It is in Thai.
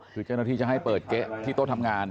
คือเจ้าหน้าที่จะให้เปิดเก๊ะที่โต๊ะทำงาน